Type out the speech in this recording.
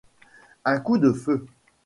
Un coup de feu.